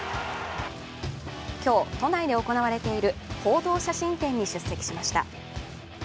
今日、都内で行われている報道写真展に出席しました。